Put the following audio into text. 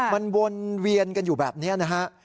มันวนเวียนกันอยู่แบบนี้นะฮะ